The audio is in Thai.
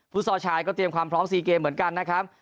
ซอลชายก็เตรียมความพร้อม๔เกมเหมือนกันนะครับ